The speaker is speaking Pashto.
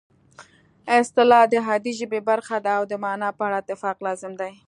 اصطلاح د عادي ژبې برخه ده او د مانا په اړه اتفاق لازم دی